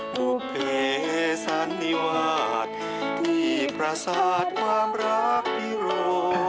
ภูเขสันนิวัฒน์ที่ประสาทความรักที่ร่วม